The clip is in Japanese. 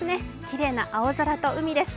きれいな青空と海です。